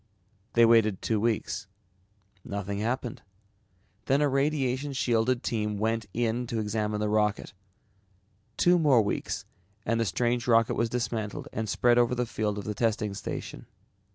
They waited two weeks. Nothing happened. Then a radiation shielded team went in to examine the rocket. Two more weeks and the strange rocket was dismantled and spread over the field of the testing station.